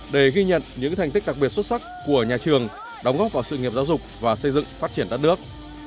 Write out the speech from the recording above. để ghi nhận những thành tích đặc biệt xuất sắc của nhà trường đóng góp vào sự nghiệp giáo dục và xây dựng phát triển đất nước